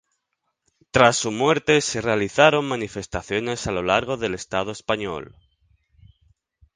Tras su muerte se realizaron manifestaciones a lo largo del estado español.